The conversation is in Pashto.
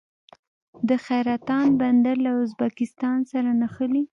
د حیرتان بندر له ازبکستان سره نښلي